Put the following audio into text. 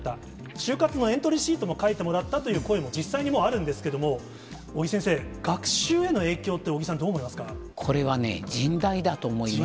就活のエントリーシートも書いてもらったという答えも実際にもうあるんですけれども、尾木先生、学習への影響って尾木さん、これはね、甚大だと思います。